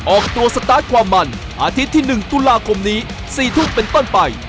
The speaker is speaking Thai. ออกตัวสตาร์ทความมันอาทิตย์ที่๑ตุลาคมนี้๔ทุ่มเป็นต้นไป